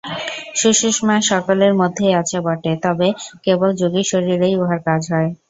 সুষুম্না সকলের মধ্যেই আছে বটে, তবে কেবল যোগীর শরীরেই উহার কাজ হয়।